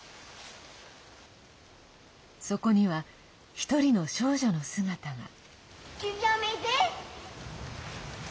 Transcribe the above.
そこには１人の少女の姿が。